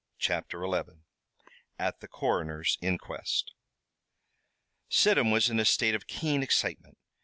CHAPTER XI AT THE CORONER'S INQUEST Sidham was in a state of keen excitement.